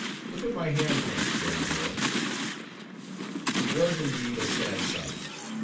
Look at my hand once, Wellingborough!" It was indeed a sad sight.